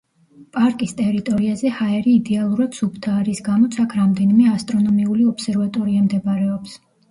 პარკის ტერიტორიაზე ჰაერი იდეალურად სუფთაა, რის გამოც აქ რამდენიმე ასტრონომიული ობსერვატორია მდებარეობს.